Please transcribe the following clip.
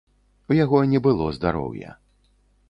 У яго не было здароўя.